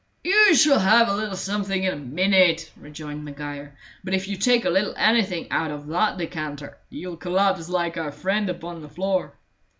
"You shall have a little something in a minute," rejoined Maguire. "But if you take a little anything out of that decanter, you'll collapse like our friend upon the floor."